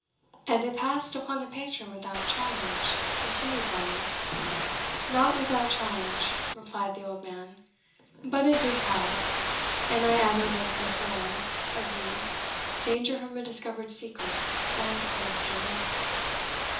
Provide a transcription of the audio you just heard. "And it passed upon the patron without challenge?" continued Varney. "Not without challenge," replied the old man, "but it did pass; and I added, as before agreed, danger from a discovered secret, and a western youth."